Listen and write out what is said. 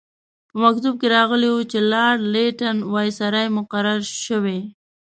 په مکتوب کې راغلي وو چې لارډ لیټن وایسرا مقرر شوی.